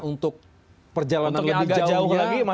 untuk perjalanan lebih jauhnya